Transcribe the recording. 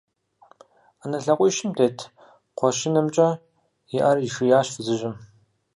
Ӏэнэ лъакъуищым тет кхъуэщынымкӀэ и Ӏэр ишиящ фызыжьым.